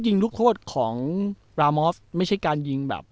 นั้นล่ะครับ